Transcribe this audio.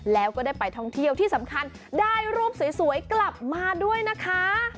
แล้วก็ได้ไปท่องเที่ยวที่สำคัญได้รูปสวยกลับมาด้วยนะคะ